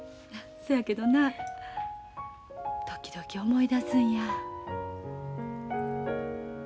そやけどな時々思い出すんや。